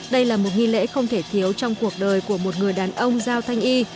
đây là một nghi lễ không thể thiếu trong cuộc đời của một người đàn ông giao thanh y